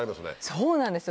そうなんですよ。